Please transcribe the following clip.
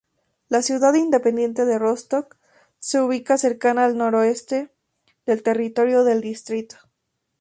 La ciudad independiente de Rostock se ubica cercana al noroeste del territorio del distrito.